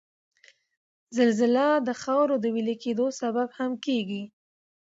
زلزله د د خاورو د ویلي کېدو سبب هم کیږي